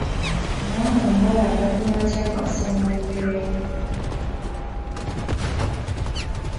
Omwana omuwala aganyulwa atya bw’asoma olugero?